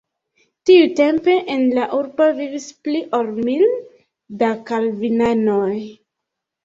Tiutempe en la urbo vivis pli ol mil da kalvinanoj.